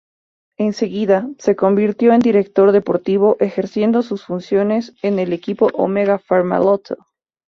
Enseguida se convirtió en director deportivo ejerciendo sus funciones en el equipo Omega Pharma-Lotto.